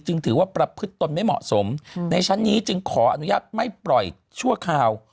ถือว่าประพฤติตนไม่เหมาะสมในชั้นนี้จึงขออนุญาตไม่ปล่อยชั่วคราว